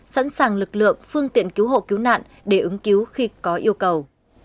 sẵn sàng lực lượng phương tiện cứu hộ cứu nạn để ứng cứu khi có yêu cầu